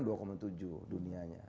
diperkirakan dua tujuh dunianya